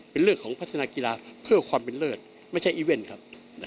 เป็นเรื่องของพัฒนากีฬาเพื่อความเป็นเลิศไม่ใช่อีเว่นครับ